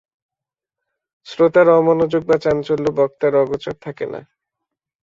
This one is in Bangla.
শ্রোতার অমনোযোগ বা চাঞ্চল্য বক্তার অগোচর থাকে না।